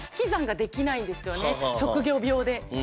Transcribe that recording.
職業病で。